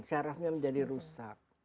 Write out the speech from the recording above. syarafnya menjadi rusak